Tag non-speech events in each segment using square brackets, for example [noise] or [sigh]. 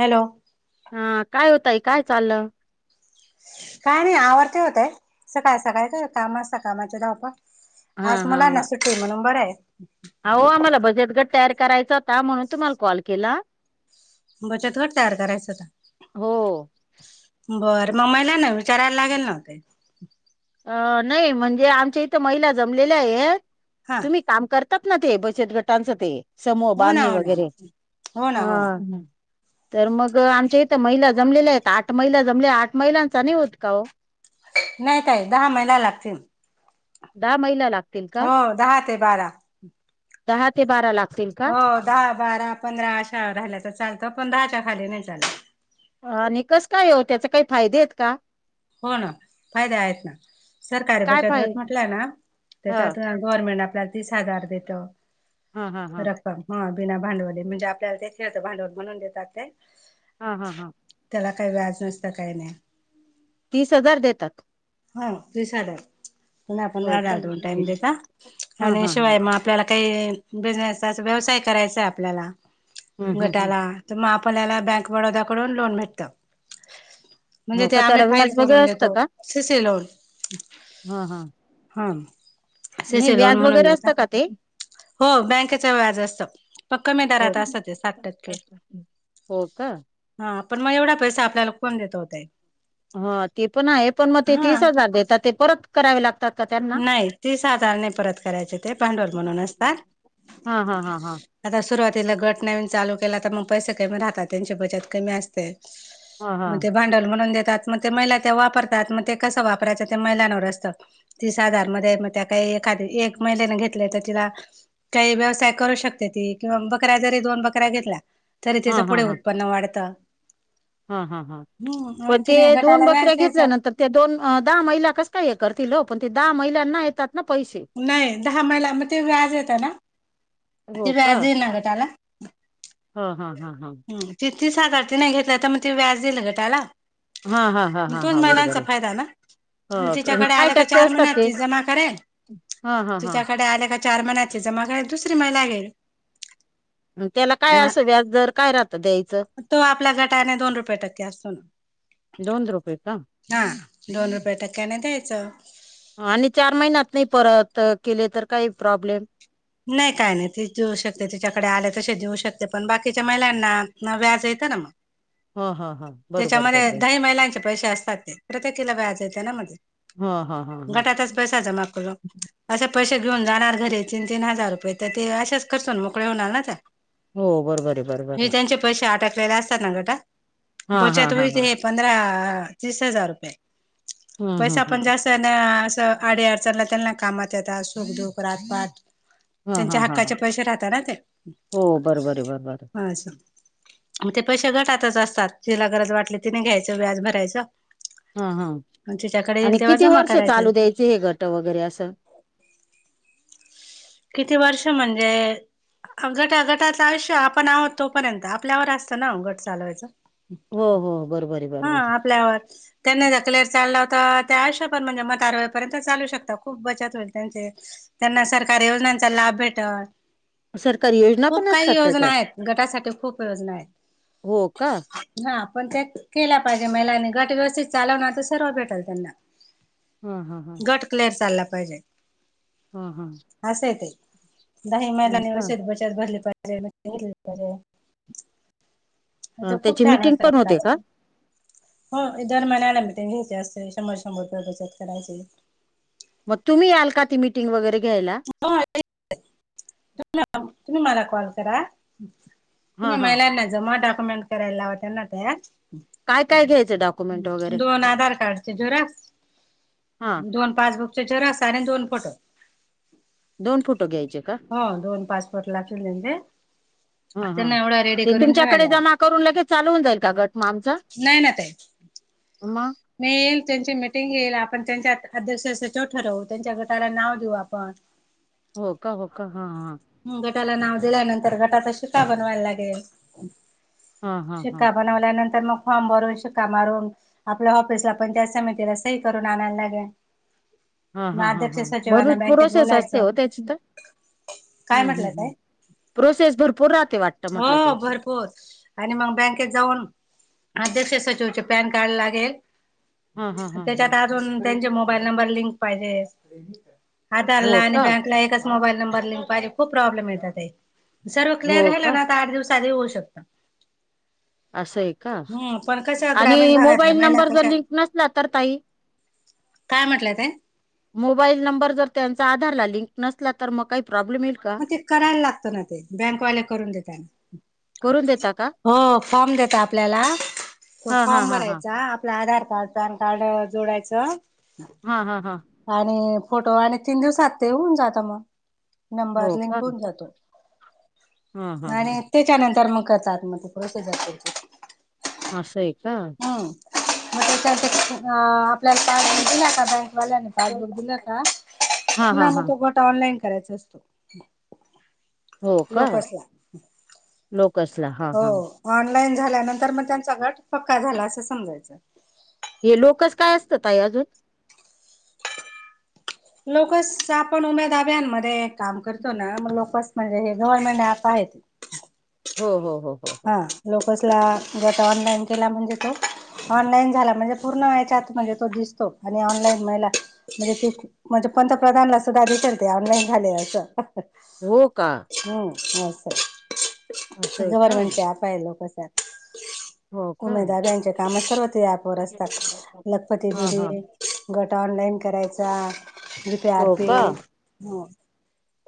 Hello हा काय ओ ताई काय चाल काय नाही आवरत होते. सकाळ सकाळी का काम असता कामाची धावपळ हा आज हा मुलांना हा. सुट्टी आहे म्हणून बरं आहे अहो आम्हाला बचत गट तयार करायचा होता म्हणून तुम्हाला कॉल केला बचत गट तयार करायचं होता हो. बरं मग महिला ना विचारायला लागेल ना ते अ नाही म्हणजे आमच्या इथं महिला जमलेल्या आहेत हा तुम्ही काम करतात ना ते बचत गटांचं समूह हो ना बांधणी हो ना वगैरे हो ना हा हो ना तर मग आमच्या इथं महिला जमलेल्या आहेत आठ महिला जमल्या आठ महिलांचा नाही होत का हो नाही ताई दहा महिला लागतील दहा महिला लागतील का? हो दहा ते बारा दहा ते बारा लागतील का हो दहा बारा पंधरा अशा झाल्याच चालतं पण दहाच्या खाली नाही चालत आणि कस काय ओ त्याचे काही फायदे आहेत का हो ना फायदे आहेत ना सरकारी काय बचत गट फायदे? म्हटल ना हा त्याच्यातून गव्हर्नमेंट आपल्याला तीस हजार देतं हां हां हा रक्कम हा बिना भांडवली म्हणजे आपल्याला त्याचात भांडवल म्हणून देतात ते हा हा हां त्याला काही व्याज नसतं काही नाहि तीस हजार देतात हा तिस हजार पुन्हा पुन्हा हो दोन टाइम का? देतात हा आणि हा हम्म शिवाय मा आपल्याला काही बिझनेसचा अस व्यवसाय करायचा आहे आपल्याला हम्म हम्म. गटाला तर मग आपल्याला बँक बडोद्याकडून लोन भेटतं म्हणजे हो ते का आम्ही त्याला फाईल व्याज वगैरे करून असतं देतो का सी सी लोन हा हा हा नाही सीसी लोन व्याज म्हणून वगैरे असतं देतात का ते हो बँकेच व्याज असतं पण कमी हो दरात असतं ते साठ टक्के हो का हा पण मग एवढा पैसा आपल्याला कोण देत हो ते हो ते पण आहे पण मग ते तीस हा हजार देतात ते परत करावे लागतात का त्यांना नाही ती सातार नाही परत करायचे ते भांडवल म्हणून असता. हा हा हा हा. आता सुरुवातीला गट नविन चालू केला तर मग पैसे कमी राहतात त्यांची बचत कमी असते हा हा मग ते भांडवल म्हणून देतात मग ते महिला त्या वापरतात मग ते कसं वापरायचं त्या महिलांवर असतं तीस हजार मध्ये मग त्या काही एखादी एक महिलेने घेतले तर तिला काही व्यवसाय करू शकते ती किंवा बकऱ्या जरी दोन बकऱ्या घेतल्या तरी हा तीचं हा पुढे हा उत्पन्न वाढतं. हा हा हां हम्म आणि पण ते तिने दोन गटाला व्याज बकऱ्या द्यायचं. घेतल्यानंतर ते दोन दहा महिला कसं काय हे करतील ओ पण ते दहा महिलांना येतात ना पैसे नाही दहा महिला मग ते व्याज ये हो ते का व्याज आहे ना गं त्याला. हा हा हा हा. ती तीस हजार तिने घेतले तर मग ती व्याज देईल ना गं त्याला. हा हा हा मग हा तोच हा बरोबर महिलांचा आहे फायदा ना. म ह तिच्याकडे काही आल्या का टक्के चार असतात महिन्यात ते ती जमा करेल, हा हा हा तिच्याकडे आल्या का चार महिन्याची जमा करेल दुसरी महिला घेईल. त्याला काय असं व्याज दर काय राहतं द्यायचं? तो आपल्या गटाने दोन रुपये टक्के असतो ना. दोन रुपये का हा दोन रुपये टक्क्याने द्यायचं. आणि चार महिन्यात नाही परत केले तर काही प्रॉब्लेम? नाही काय नाही ती देऊ शकते तिच्याकडे आले तसे देऊ शकते पण बाकीच्या महिलांना व्याज येतं ना मग. हा हा हा बरोबर त्याच्यामध्ये बरोबर दाही महिलांचे पैसे असतात ते. प्रत्येकीला व्याज येते ना मग ते हा हा हा हा गटातचं पैसा जमा करून असे पैसे घेऊन जाणार घरी तीन तीन हजार रुपये तर ते अशेच खर्चुन मोकळे होणार ना त्या. हो बरोबर आहे बरोबर हे आहे. त्यांचे पैसे अटकलेले असतात ना गटात हा हा बचत हा हा होईते पंधरा तीस हजार रुपये. हम्म हम्म पैसा पण हम्म जा स्त अन् असं अडीअडचनीला तेना कामात येतात सुख दुःख रातपात. हा त्यांच्या हा हा हा हक्काचे पैसे राहतात ना ते हो बरोबर आहे बरोबर आहे हा असं. मग ते पैसे गटातच असतात जीला गरज वाटली तिनें घ्यायचं व्याज भरायचं. हा हा आणि तिच्याकडे आणि येईल तेव्हा किती जमा वर्ष करायचे. चालू द्यायचे हे गट वगैरे असं? किती वर्ष म्हणजे गटा गटाचं आयुष्य आपण आहोत तोपर्यंत आपल्यावर असतं ना गट चालवायचं. हो हो बरोबर आहे हा बरोबर आहे आपल्यावर. त्यांना क्लिअर चालला होता त्या आश्यापण म्हणजे म्हातार होईपर्यंत चालू शकता खूप बचत होईल त्यांची त्यांना सरकारी योजनांचा लाभ भेटलं. सरकारी योजना खूप पण काही असतात योजना त्याच्यात आहेत गटासाठी खूप योजना आहेत. हो का हा पण त्या केल्या पाहिजे महिलांनी गट व्यवस्थित चालवणार तर सर्व भेटल त्यांना. हा हा हा. गट क्लिअर चालला पाहिजे. हा हा. असंय ते दाही हो महिलानी का व्यवस्थित बचत भरली पाहिजे मिटींग घेतली पाहिजे. तर खूप त्याची छान मीटिंग पण होते असतात का? हो दर महिन्याला मिटींग घ्यायची असते शंभर शंभर रुपये बचत करायची. मग तुम्ही याल का ती मिटिंग वगैरे घ्यायला? [inaudible] [unintelligible] तुम्ही मला कॉल करा. तुम्ही हां हां महिलांना जमा डॉक्युमेंट करायला लावते ना त्या काय काय घ्यायचं डॉक्युमेंट वगैरे दोन आधार कार्डचे झेरॉक्स हां दोन पासबुकचे झेरॉक्स आणि दोन फोटो. दोन फोटो घ्यायचे का हो दोन पासपोर्ट लागतील तेंचे. हां हां त्यांना एवढा रेडी ते करून ठेवायला तुमच्याकडे लाव जमा करून लगेच चालू होऊन जाईल का गट म आमचा? नाही ना ताई म मी येईल त्यांची मिटिंग घेईल आपण त्यांच्यात अध्यक्ष सचिव ठरवू, त्यांच्या गटाला नाव देऊ आपण. हो का हो का हा हा. हम्म गटाला नाव दिल्यानंतर गटाचा शिक्का बनवायला लागेल. हां हां हां शिक्का बनवल्यानंतर मग फॉर्म भरून शिक्का मारून आपल्या ऑफिसला पण त्या समितीला सही करून आणायला लागेल. हा मग हा अध्यक्ष हा सचिवांना बरूच बँकेत प्रोसेस असते बोलायचं ओ त्याची तर काय हम्म हम्म म्हटलं ताई? हम्म प्रोसेस भरपूर राहते वाट हो भरपूर. आणि मंग बँकेत जाऊन अध्यक्ष सचिवचे पॅन कार्ड लागेल. हां हां हां हां त्याच्यात अजून त्यांचे मोबाईल नंबर लिंक पायजे. आधारला हो आणि का बँकला एकच मोबाईल नंबर लिंक पायजे खूप प्रॉब्लेम येत ते सर्व हो क्लिअर राहिला चार दिवसात ही होऊ शकतं. [unintelligible] [inaudible] असंय का हम्म पण कशा ग्रामीण आणि भागातल्या मोबाईल महिला नंबर जर कशा लिंक नसला तर ताई? काय म्हटले ते? मोबाईल नंबर जर त्यांचा आधारला लिंक नसला तर मग काय प्रॉब्लेम येईल? का म ते करायला लागतं ना ते बँकवाले करून देतात. करून देता का हो फॉर्म देत आपल्याला तो हां हां फॉर्म हां हां भरायचा आपला आधार कार्ड, पॅन कार्ड जोडायचं. हा हा हा. आणि फोटो आणि तीन दिवसात ते होऊन जात म हो नंबर लिंक का होऊन जातो. हा हा हा आणि त्याच्यानंतर मग करतात मग ते प्रोसेस ये त्यांची असयं का? ह मग त्याच्यानंतर अ आपल्याला कार्ड दिलं का बँकवाल्याने पासबुक दिला का, हा हा पुन्हा मग हा तो गटा ऑनलाईन करायचा असतो. हो का? लोकसला. लोकसला हा हां. हो ऑनलाईन झाल्यानंतर मग त्यांचा गट पक्का झाला असं समजायचं. हे लोकस काय असत ताई अजून? लोकस आपण उम्यादाबामध्ये काम करतो ना मग लोकस म्हणजे हे गव्हर्नमेंट ऍप आहेत. हो हो हो हो. हा लोकसला गट ऑनलाईन केला म्हणजे तो ऑनलाईन झाला म्हणजे पूर्ण व्हायच्या आत म्हणजे तो दिसतो आणि ऑनलाईन महिला म्हणजे ते म्हणजे पंतप्रधानला सुद्धा दिसेल ते ऑनलाईन झाले असं. हो का? हम्म असं असय आहे का गव्हर्मेंटचे ऍप हाय लोकस ऍप हो का उमेदार यांच्या काम सर्व ते ऍपवर असतात लखपती हा हा बिडी गट ऑनलाइन करायचा जीपे हो आरपे का हो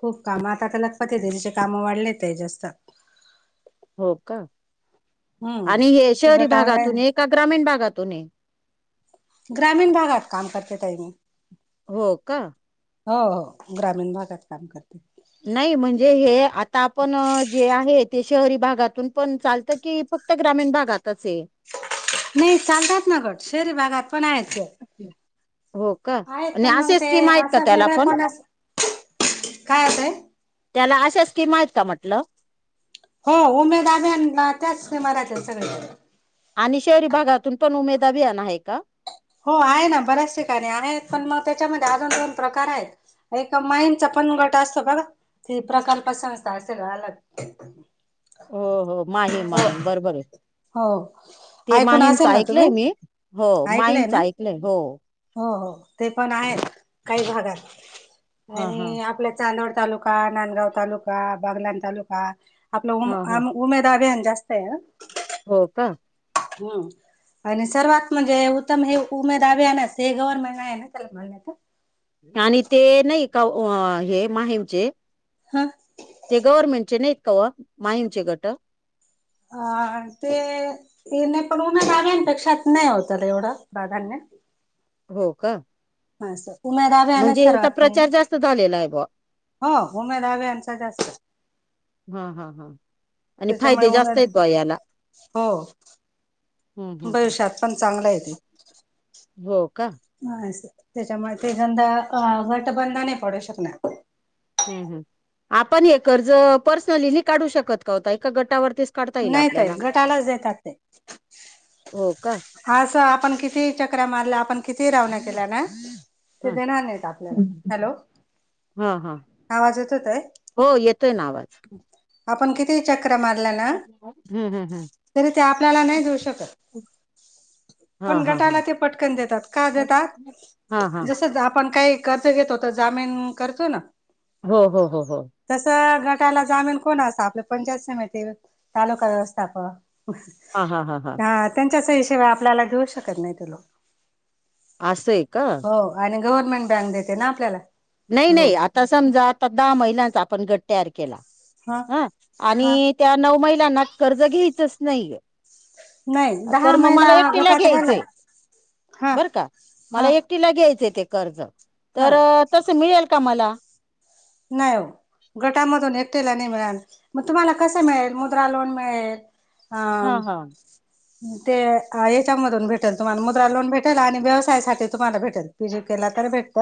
खूप काम आता लखपती दिदिचे काम वाढलेत ते जास्त हो का हम्म आणि हे ते शहरी गट ऑनलाईन भागातून ये का ग्रामीण भागातून ये ग्रामीण भागात काम करते तई मी हो का हो, हो ग्रामीण भागात काम करते नाही म्हणजे हे आता आपण जे आहे ते शहरी भागातून पण चालतं की फक क्त ग्रामीण भागातच ये नाही चालतात ना गट शेरी भागात पण आहेच हो का आणि मग असेच ते स्कीम आहेत का असा त्याला पण वेगळेपणा काय होतय त्याला अशा स्कीमा आहेत का म्हटलं हो उमेद आभ नि म राहात्यात सगळ्या आणि शहरी भागातून पण उमेदा अभियान आहे का हो आहे ना बऱ्याच ठिकाणी आहेत पण मग त्याच्यामध्ये अजून दोन प्रकार आहेत एक माईंचा पण गट असतो बघा ते प्रकल्प संस्था असेल अलग ओ हो माहीम, हो माहीम बरोबर आहे हो ते ऐकून माहीमच असेल ना ऐकलंय तुम्ही मी हो ऐकलंय माहीमच ना ऐकलंय हो हो, हो ते पण आहेत काही भागात हा हा आणि आपल्या चांदोड तालुका नांदगाव तालुका बागलान तालुका आपलं हा हा उ उमेद अभन जास्त आहे आ हो का हम आणि सर्वात म्हणजे उत्तम हे उमेद आभ आहे हे गव्हर्नमेंट आहे ना त्याला मान्यता आणि ते नाही का हे माहीमचे ह ते गव्हर्मेंटचे नाहीत का ओ माहीमचे गट अ ते येणे पण उन गाव्यांपेक्षा नाही होत र एवढं प्राधान्य हो का अस उमेदाभ ना सर्वात कही त झालेला आहे बुवा हो उमेधाबे यांचा जास्त हा हा हा आणि त्याच्यामुळे फायदे जास्त उमेदा आहेत बुवा याला हो हम्म हम्म हम्म. भविष्यात पण चांगलय आहेे ते हो का त्याच्यामुळे ते गंध गट बंध नाही पडू शकणार आपण हे कर्ज पर्सनली नाई काढू शकत का ओ ताई का गटावरतीच काढता येईल नाही ताई आपल्याला गटालाच देतात हो का हा असं आपण किती चक्र्या मारल्या आपण किती रावणा केल्या ना ते हा देणार नाहीत आपल्याला हम्म. हॅलो हा, हा आवाज येतो ताई हो येतोय ना आवाज आपण किती चक्रा मारलं ना हम्म हम्म तरी ते आपल्याला नाही देऊ शकत ह पण गटाला ते पटकन का देतात का देतात हा हा जस आपण काही कर्ज घेतो तर जामीन करतो ना? हो हो हो हो... तस गटायला जामीन कोण अस आपलं पंचायत समिती तालुका व्यवस्थापक हा त्यांच्याच्याहीशिवाय आपल्याला देऊ शकत नाही ते लोक आसय का? हो आणि गव्हर्नमेंट बँक देते ना आपल्याला. नाही नाही.. लोन आता समजा आता दहा महिलांचा आपण गट तयार केला, हा ह.. हा आणि त्या नऊ महिलांना कर्ज घ्यायचच नाहीये. नाही दहा तर मग महिला मला एकटीला गटात राहिलाय घ्यायचंय हा बर का? हा मला एक एकटीला घ्यायचय ते कर्ज, हा तर तसं मिळेल का मला? नाही ओ. गटामधून एकटीला नाही मिळाल मग तुम्हाला कसं मिळेल? मुद्रा लोन मिळेल. हा.. ते याच्यामधून भेटेल तुम्हाला मुद्रा लोन भेटेल, आणि व्यवसायासाठी तुम्हाला भेटेल. पीजी केला तर भेटत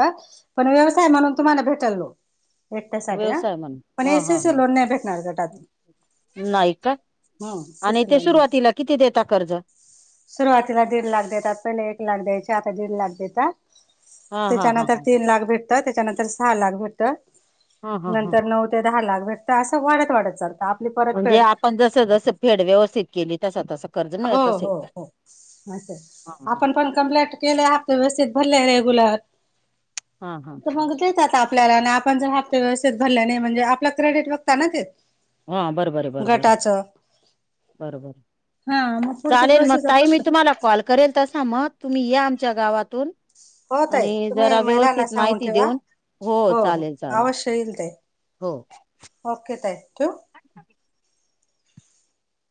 पण व्यवसाय म्हणून तुम्हाला भेटल लोन. एकट्यासाठी हा व्यवसाय म्हणून पण हा हा एसीसी लोन नाही भेटणार गटातून हा नाही का? हम्म आणि सीसी ते लोन नाही सुरुवातीला किती देता कर्ज. सुरुवातीला दीड लाख देतात पहिले एक लाख द्यायचे आता दीड लाख देतात. हा हा त्याच्यानंतर तीन लाख भेटतं त्याच्यानंतर सहा लाख भेटत. हा हा हा नंतर नऊ ते दहा लाख भेटत असं वाढत वाढत चालत. म्हणजे आपण जस जसं फेड व्यवस्थित केली तसं तसं. कर्ज हो मिळत असेल हो का हो.. असं हा आपण पण कम्प्लेट केले आपण व्यवस्थित भरले रेग्युलर हा हा तर मग देतात आपल्याला आणि आपण जर हप्ते व्यवस्थित भरल्या नाही म्हणजे आपला क्रेडिट बघता ना ते हा बरोबर आहे बरोबर गटाचं बरोबरं हा मग पुढचं चालेल मग प्रोसिजर ताई मी करत तुम्हाला कॉल करेल तसा मग तुम्ही या आमच्या गावातून हो ताई आणि तुम्ही जरा महिलांना व्यवस्थित सांगून माहिती ठेवा देऊन हो चालेल चालेल. अवश्य येईल ताई हो. ओके ताई. ठेऊ? [unintelligible]